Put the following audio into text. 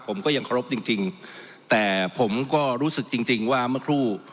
ผมก็ยังเคารพจริงจริงแต่ผมก็รู้สึกจริงจริงว่าเมื่อครู่